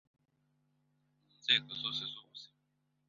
mu nzego zose z’ubuzima,